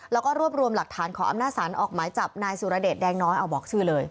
แล้วก็รวบรวมหลักฐานขออำนาจศาลออกหมายจับนายสุรเดชแดงน้อยเอาบอกชื่อเลย